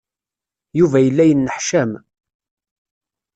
Yuba yella yenneḥcam.